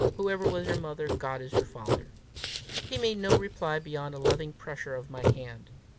Whoever was your mother, God is your father!" He made no reply beyond a loving pressure of my hand.